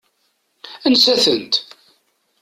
Ansa-tent?